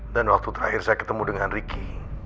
dan waktu terakhir saya ketemu dengan riki